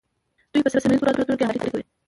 دوی په سیمه ایزو خبرو اترو کې همکاري کوي